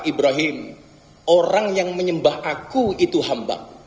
ibrahim orang yang menyembah aku itu hamba